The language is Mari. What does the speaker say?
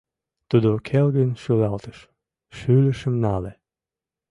Тудо келгын шӱлалтыш, шӱлышым нале.